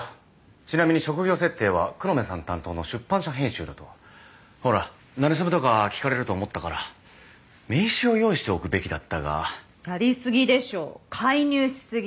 ちなみに職業設定は黒目さん担当の出版社編集だとほらなれそめとか聞かれると思ったから名刺を用意しておくべきだったがやりすぎでしょ介入しすぎ